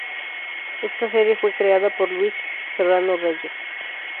Esta serie fue creada por Luis Serrano Reyes.